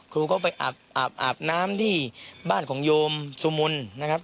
ครูก็ไปอาบน้ำที่บ้านของโยมสุมนต์นะครับ